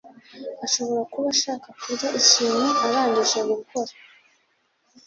ashobora kuba ashaka kurya ikintu arangije gukora.